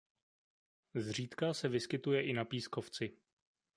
Zřídka se vyskytuje i na pískovci.